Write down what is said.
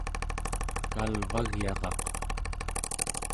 kalvagyaraq